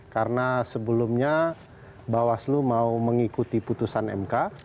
karena sebelumnya bawaslu mau mengikuti putusan mk